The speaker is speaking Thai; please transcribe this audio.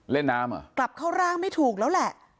เล่นน้ำเหรอกลับเข้าร่างไม่ถูกแล้วแหละ